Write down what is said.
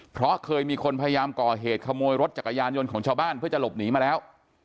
เพราะเคยมีคนพยายามก่อเหตุขโมยรถจักรยานยนต์ของชาวบ้านเพื่อจะหลบหนีมาแล้ว